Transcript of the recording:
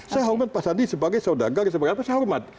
saya hormat pak sandi sebagai saudara gak ada sebarang apa saya hormat